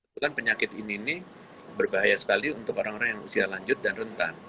dan penyakit ini berbahaya sekali untuk orang orang yang usia lanjut dan rentan